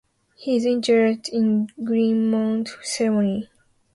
He is interred in Greenmount Cemetery.